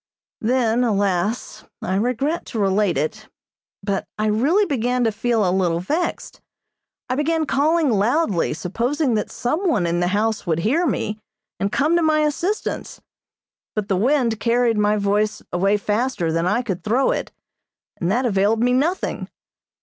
Then, alas, I regret to relate it, but I really began to feel a little vexed. I began calling loudly, supposing that someone in the house would hear me, and come to my assistance; but the wind carried my voice away faster than I could throw it, and that availed me nothing.